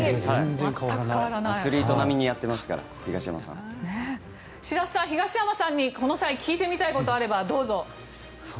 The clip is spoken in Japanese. アスリート並みに白洲さん、東山さんにこの際、聞いてみたいことがあればどうぞ。